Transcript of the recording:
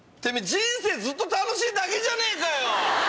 人生ずっと楽しいだけじゃねえかよ！